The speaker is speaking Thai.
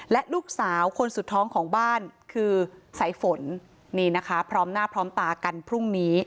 และลูกสาวคนสุดท้องของบ้านคือสายฝนนี่นะคะพร้อมหน้าพร้อมตากันพรุ่งนี้